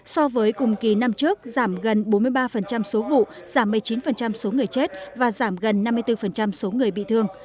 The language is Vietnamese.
so với cùng kỳ năm trước giảm gần bốn mươi ba số vụ giảm một mươi chín số người chết và giảm gần năm mươi bốn